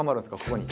ここに。